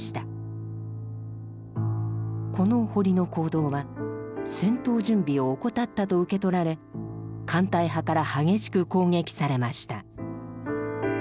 この堀の行動は「戦闘準備を怠った」と受け取られ艦隊派から激しく攻撃されました。